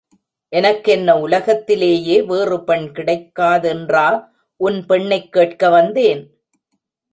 எனக்கென்ன உலகத்திலேயே வேறு பெண் கிடைக்காதென்றா உன் பெண்ணைக் கேட்க வந்தேன்?